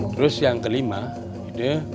terus yang kelima